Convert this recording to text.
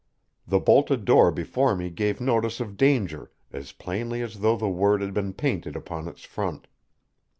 The bolted door before me gave notice of danger as plainly as though the word had been painted upon its front.